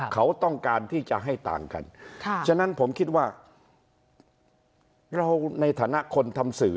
เขาต้องการที่จะให้ต่างกันฉะนั้นผมคิดว่าเราในฐานะคนทำสื่อ